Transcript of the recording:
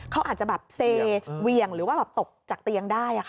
เขาอาจจะแบบเซเวียงหรือว่าตกจากเตียงได้